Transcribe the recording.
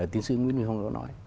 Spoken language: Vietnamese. tiến sĩ nguyễn đình phong đã nói